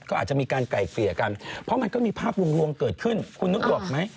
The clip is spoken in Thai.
ก็อาจจะมีการไก่เกลี่ยกันเพราะมันก็มีภาพลวงเกิดขึ้นคุณนึกออกไหม